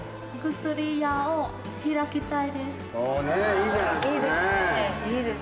薬屋を開きたいです。